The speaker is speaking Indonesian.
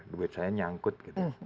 duit saya nyangkut gitu